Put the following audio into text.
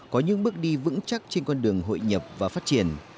có những bước đi vững chắc trên con đường hội nhập và phát triển